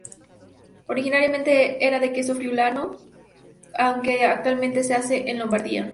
Originalmente era un queso friulano, aunque actualmente se hace en Lombardía.